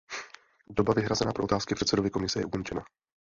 Doba vyhrazená pro otázky předsedovi Komise je ukončena.